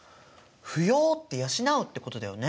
扶養って養うってことだよね。